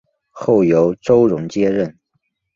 后由周荣接任。